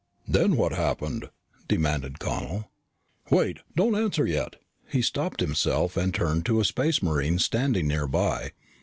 "Then what happened?" demanded Connel. "Wait, don't answer yet!" He stopped himself and turned to a Space Marine standing nearby.